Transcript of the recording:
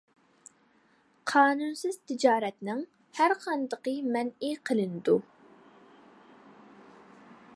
قانۇنسىز تىجارەتنىڭ ھەر قاندىقى مەنئى قىلىنىدۇ.